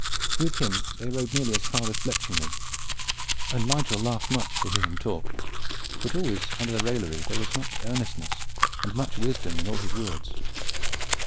With him they rode nearly as far as Bletchingley, and Nigel laughed much to hear him talk; but always under the raillery there was much earnestness and much wisdom in all his words.